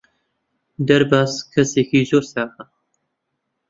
دەرباز کەسێکی زۆر چاکە.